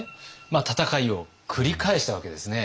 戦いを繰り返したわけですね。